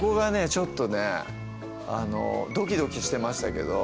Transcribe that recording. ちょっとねドキドキしてましたけど。